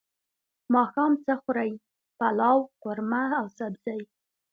ماښام څه خورئ؟ پلاو، قورمه او سبزی